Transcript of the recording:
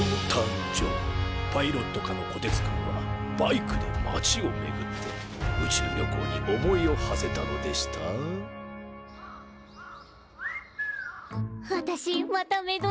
パイロット科のこてつくんはバイクで街をめぐって宇宙旅行に思いをはせたのでした私また目丼